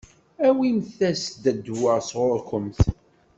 Awimt-as-d ddwa sɣur-kemt.